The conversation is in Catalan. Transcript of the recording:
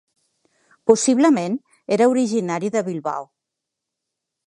Possiblement era originari de Bilbao.